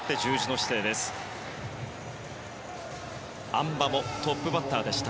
あん馬もトップバッターでした。